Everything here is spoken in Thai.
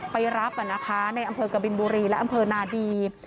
ไปรับในอำเภอกบินบุรีและอำเภอนาดี